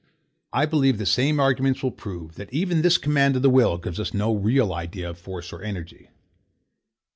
I believe the same arguments will prove, that even this command of the will gives us no real idea of force or energy.